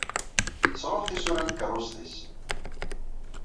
Tesṛuḥ tisura n tkeṛṛust-nnes.